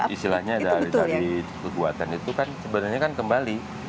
istilahnya dari kekuatan itu kan sebenarnya kan kembali